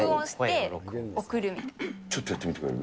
ちょっとやってみてくれる？